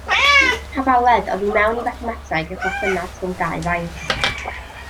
Hafaledd, oddi mewn i fathemateg, yw'r berthynas rhwng dau faint.